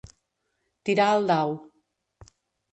Tirar el dau.